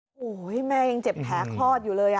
โอ้โฮเหมือนแม่ยังเจ็บแพ้คลอดอยู่เลย